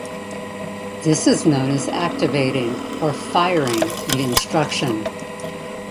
This is known as "activating" or "firing" the instruction.